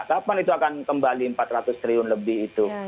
kapan itu akan kembali empat ratus triliun lebih itu